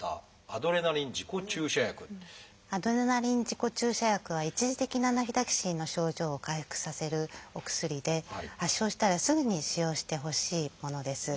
アドレナリン自己注射薬は一時的なアナフィラキシーの症状を回復させるお薬で発症したらすぐに使用してほしいものです。